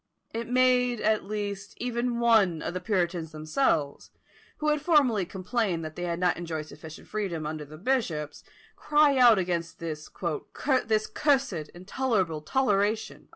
It made, at least, even one of the puritans themselves, who had formerly complained that they had not enjoyed sufficient freedom under the bishops, cry out against "this cursed intolerable toleration."